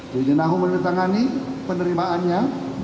dirjen ahu menentangani penerimaannya